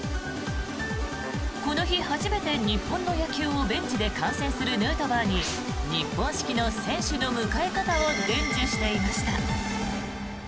この日初めて日本の野球をベンチで観戦するヌートバーに日本式の選手の迎え方を伝授していました。